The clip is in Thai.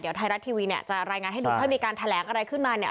เดี๋ยวไทยรัฐทีวีเนี่ยจะรายงานให้ดูถ้ามีการแถลงอะไรขึ้นมาเนี่ย